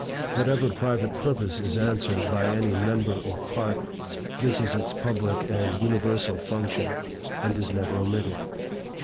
Whatever private purpose is answered by any member or part, this is its public and universal function, and is never omitted.